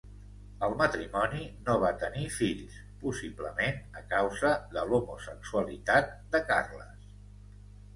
El matrimoni no va tenir fills, possiblement a causa de l'homosexualitat de Carles.